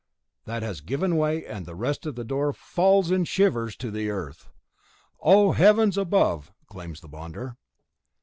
that has given way, and the rest of the door falls in shivers to the earth. "Oh, heavens above!" exclaims the bonder.